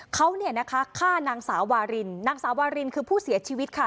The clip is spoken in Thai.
เขาเนี่ยนะคะฆ่านางสาววารินนางสาววารินคือผู้เสียชีวิตค่ะ